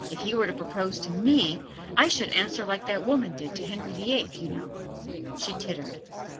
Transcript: If he were to propose to me, I should answer like that woman did to Henry the Eighth, you know.' She tittered.